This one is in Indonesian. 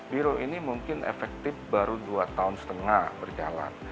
biro ini mungkin efektif baru dua tahun setengah berjalan